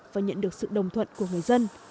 và nhận được sự đồng thuận của người dân